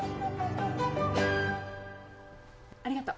ありがとう。